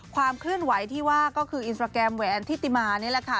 ความเคลื่อนไหวที่ว่าก็คืออินสตราแกรมแหวนทิติมานี่แหละค่ะ